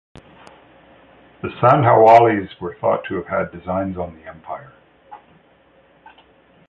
The Sandhawalias were thought to have also had designs on the empire.